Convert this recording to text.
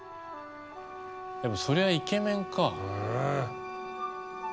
そりゃイケメンか。